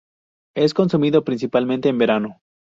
Es consumido principalmente en verano.